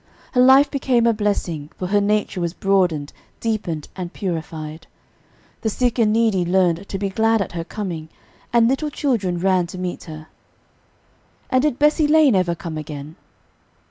Her life became a blessing; for her nature was broadened, deepened and purified. The sick and needy learned to be glad at her coming, and little children ran to meet her. And did Bessie Lane ever come again?